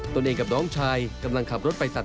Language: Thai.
ตัวเองกับน้องชายกำลังขับรถไปตัด